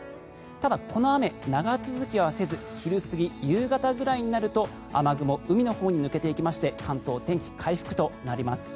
ただこの雨長続きはせず昼過ぎ、夕方くらいになると雨雲、海のほうへ抜けていきまして関東は天気回復となります。